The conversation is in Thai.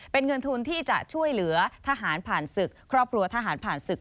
เป็นเงินทุนที่จะช่วยเหลือทหารผ่านศึกครอบครัวทหารผ่านศึก